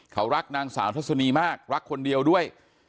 เขารักนางสาวทัศนีมากรักคนเดียวด้วย